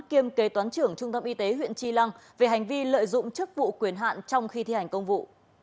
kiêm kế toán trưởng trung tâm y tế huyện chi lăng về hành vi lợi dụng chức vụ quyền hạn trong khi thi hành công vụ